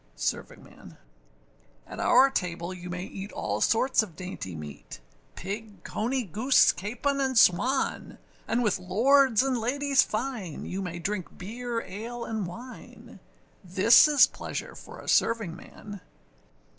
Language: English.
SERVINGMAN. At our table you may eat all sorts of dainty meat, Pig, cony, goose, capon, and swan; And with lords and ladies fine, you may drink beer, ale, and wine! This is pleasure for a servingman.